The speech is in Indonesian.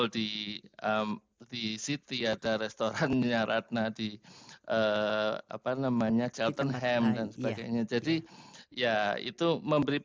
di city ada restoran nyaratna di apa namanya jeltenham dan sebagainya jadi ya itu memberi